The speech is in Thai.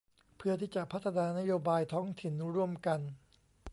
เพื่อที่จะพัฒนานโยบายท้องถิ่นร่วมกัน